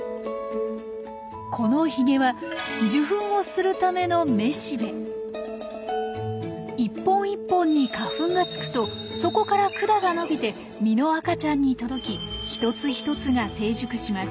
このヒゲは受粉をするための１本１本に花粉がつくとそこから管が伸びて実の赤ちゃんに届き１つ１つが成熟します。